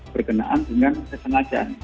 berkenaan dengan kesengajaan